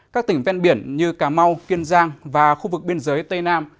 các tỉnh ven biển như cà mau kiên giang và khu vực biên giới tây nam